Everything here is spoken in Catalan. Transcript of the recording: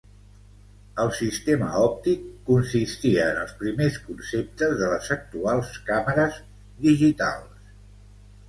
El sistema òptic consistia en els primers conceptes de les actuals càmeres digitals.